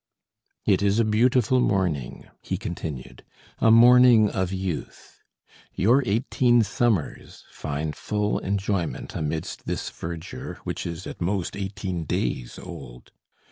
"It is a beautiful morning," he continued, "a morning of youth. Your eighteen summers find full enjoyment amidst this verdure which is at most eighteen days old.